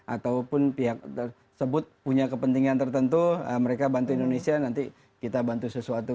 ataupun pihak tersebut punya kepentingan tertentu mereka bantu indonesia nanti kita bantu sesuatu